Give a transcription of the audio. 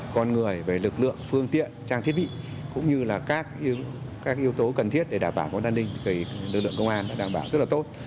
các lực lượng phương tiện trang thiết bị cũng như các yếu tố cần thiết để đảm bảo văn hóa tâm linh lực lượng công an đã đảm bảo rất là tốt